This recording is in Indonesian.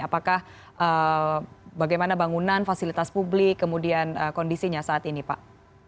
apakah bagaimana bangunan fasilitas publik kemudian kondisinya saat ini pak